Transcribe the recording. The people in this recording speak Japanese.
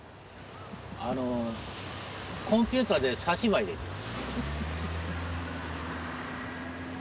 あのコンピューターで差し歯入れて。